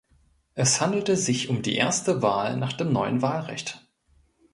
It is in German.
Es handelte sich um die erste Wahl nach dem neuen Wahlrecht.